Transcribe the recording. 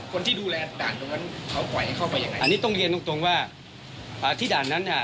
คนที่ดูแลด่านตรงนั้นเขาปล่อยเข้าไปยังไงอันนี้ต้องเรียนตรงตรงว่าอ่าที่ด่านนั้นเนี่ย